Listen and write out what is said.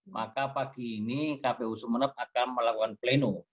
maka pagi ini kpu sumeneb akan melakukan pleno